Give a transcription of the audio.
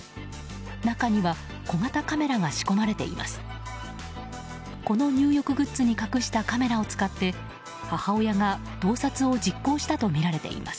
中には小型カメラが仕込まれています。